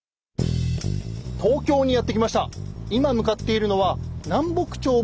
東京にやって来ました。